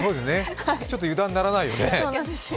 ちょっと油断ならないよね。